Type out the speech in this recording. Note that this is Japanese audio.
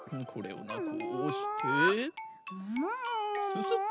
ススッ。